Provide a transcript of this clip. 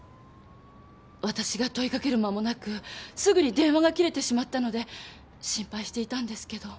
私が問いかける間もなくすぐに電話が切れてしまったので心配していたんですけど。